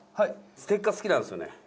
ステッカー好きなんですよね。